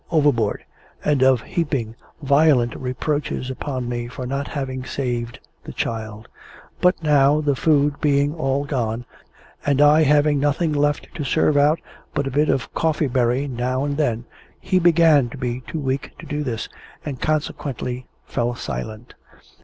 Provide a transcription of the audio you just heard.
overboard, and of heaping violent reproaches upon me for not having saved the child; but now, the food being all gone, and I having nothing left to serve out but a bit of coffee berry now and then, he began to be too weak to do this, and consequently fell silent.